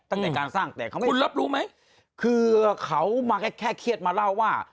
ตั้งแต่การสร้างแต่คุณรับรู้ไหมคือเขามาแค่แค่เครียดมาเล่าว่า